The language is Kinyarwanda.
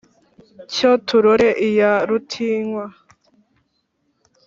cyo turore iya rutinywa,